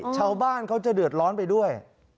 ชาวบ้านเขาจะเดือดร้อนไปด้วย